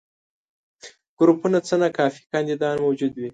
ګروپونو څخه ناکافي کانديدان موجود وي.